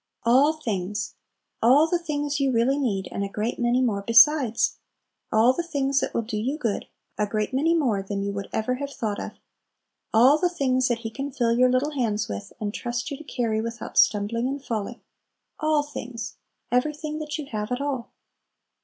"All things." All the things you really need, and a great many more besides. All the things that will do you good, a great many more than you would ever have thought of. All the things that He can fill your little hands with, and trust you to carry without stumbling and falling. All things, everything that you have at all!